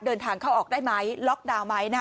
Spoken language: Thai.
เดินทางเข้าออกได้ไหมล็อกดาวน์ไหม